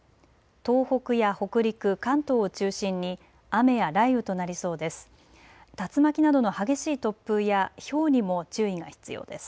東北や北陸、関東を中心に雨や雷雨となりそうです。